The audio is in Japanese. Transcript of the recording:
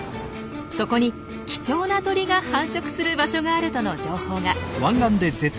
そこに貴重な鳥が繁殖する場所があるとの情報が。